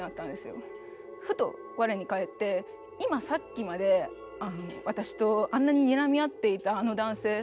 ふと我に帰って今さっきまで私とあんなににらみ合っていたあの男性